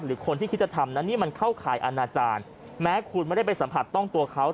หรือคนที่คิดจะทำนั้นนี่มันเข้าข่ายอาณาจารย์แม้คุณไม่ได้ไปสัมผัสต้องตัวเขา